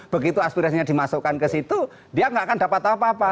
begitu aspirasinya dimasukkan ke situ dia nggak akan dapat apa apa